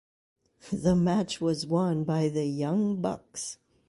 The match was won by The Young Bucks.